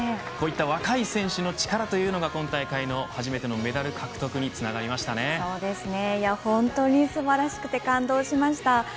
こういった若い選手の力というのが今大会の初めてのメダル獲得に本当に素晴らしくて感動しました。